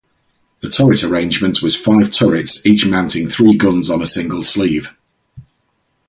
The turret arrangement was five turrets each mounting three guns on a single sleeve.